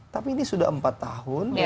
tapi ini sudah empat tahun